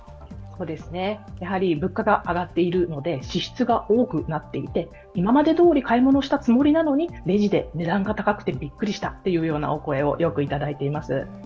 やはり物価が上がっているので支出が多くなっていて、今までどおり買い物したつもりなのでレジで値段が高くてびっくりしたというお声をよくいただいています。